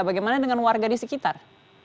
bagaimana dengan warga di sekitar